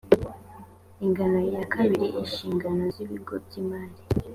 ingingo yakabiri ishingano z ibigo by imari